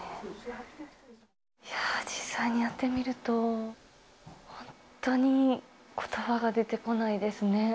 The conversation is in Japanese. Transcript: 実際にやってみると、本当にことばが出てこないですね。